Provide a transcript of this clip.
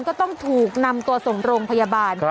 ก็ต้องถูกนำตัวส่งโรงพยาบาล